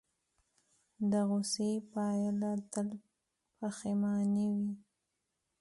د غوسې پایله تل پښیماني وي.